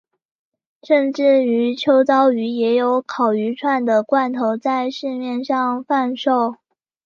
甚至于秋刀鱼也有烤鱼串的罐头在市面上贩售。